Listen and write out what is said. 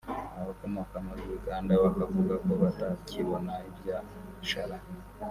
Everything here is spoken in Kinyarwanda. abakomoka muri Uganda bakavuga ko batakibona ibyashara